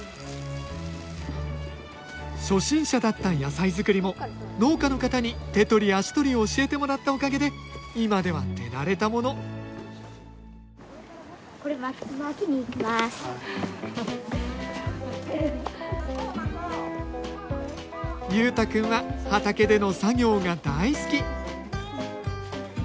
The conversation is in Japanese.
初心者だった野菜作りも農家の方に手取り足取り教えてもらったおかげで今では手慣れたもの優太くんは畑での作業が大好き